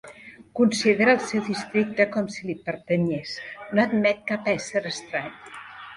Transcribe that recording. Considera el seu districte com si li pertanyés, no admet cap ésser estrany.